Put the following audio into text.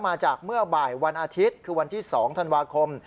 มาจากเมื่อบ่ายวันอาทิตย์คือวันที่๒ธันวาคม